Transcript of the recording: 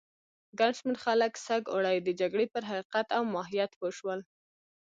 ګڼ شمېر خلک سږ اوړی د جګړې پر حقیقت او ماهیت پوه شول.